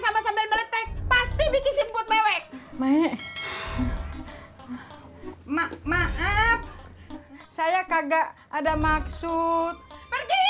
sama sambil meletek pasti bikin sebut mewek banyak mak maaf saya kagak ada maksud pergi ya ya ya ya